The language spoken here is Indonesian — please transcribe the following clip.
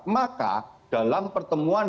maka dalam pertemuan